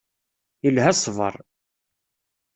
Ilha ṣṣber.